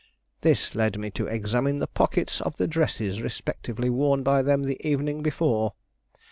This led me to examine the pockets of the dresses respectively worn by them the evening before.